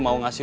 iya udah epic